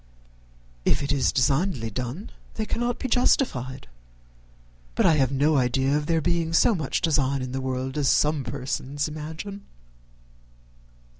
"If it is designedly done, they cannot be justified; but I have no idea of there being so much design in the world as some persons imagine."